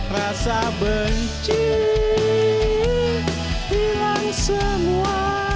rasa benci hilang semua